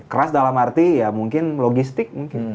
keras dalam arti ya mungkin logistik mungkin